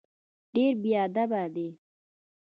ډېر بېادبه دی.